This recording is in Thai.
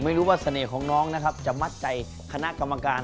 ไม่รู้ว่าเสน่ห์ของน้องนะครับจะมัดใจคณะกรรมการ